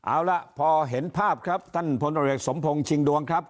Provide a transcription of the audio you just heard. อ้าวล่ะพอเห็นภาพครับท่านพลลิเวศ์สมพงศ์ชิงดวงครับ